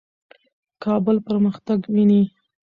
کابل پرمختګ ویني.